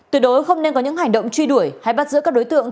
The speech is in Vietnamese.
tuyệt đối không nên có những hành động truy đuổi hay bắt giữ các đối tượng